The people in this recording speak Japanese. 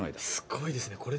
すごいですね。